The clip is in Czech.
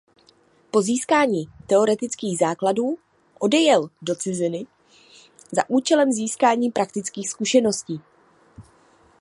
Po získání teoretických základů odejel do ciziny za účelem získání praktických zkušeností.